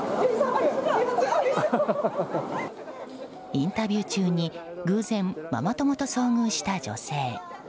インタビュー中に偶然、ママ友と遭遇した女性。